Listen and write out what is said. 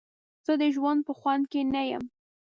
زه د ژوند په خوند کې نه یم.